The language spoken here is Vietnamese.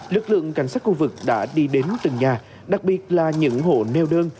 lực lượng cảnh sát khu vực đã đi đến từng nhà đặc biệt là những hộ neo đơn